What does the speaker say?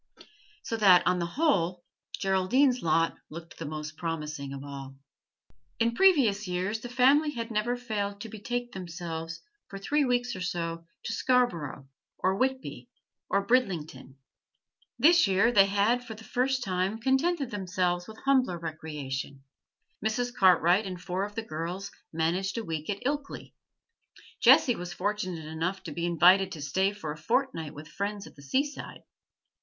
So that, on the whole, Geraldine's lot looked the most promising of all. In previous years; the family had never failed to betake themselves for three weeks or so to Scarborough, or Whitby, or Bridlington; this year they had for the first time contented themselves with humbler recreation; Mrs. Cartwright and four of the girls managed a week at Ilkley, Jessie was fortunate enough to be invited to stay for a fortnight with friends at the seaside.